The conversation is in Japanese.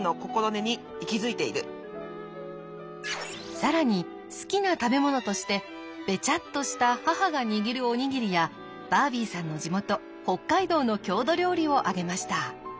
更に好きな食べ物としてべちゃっとした母が握るおにぎりやバービーさんの地元北海道の郷土料理を挙げました。